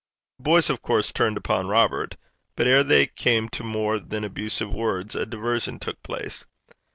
The boys of course turned upon Robert. But ere they came to more than abusive words a diversion took place.